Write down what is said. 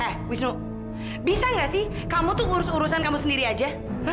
hah wisnu bisa gak sih kamu tuh urus urusan kamu sendiri aja